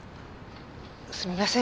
すみません